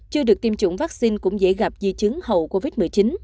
chưa được tiêm chủng vaccine cũng dễ gặp di chứng hậu covid một mươi chín